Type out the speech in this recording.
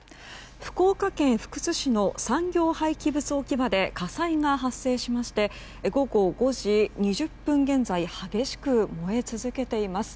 福岡県福津市の産業廃棄物置き場で火災が発生しまして午後５時２０分現在激しく燃え続けています。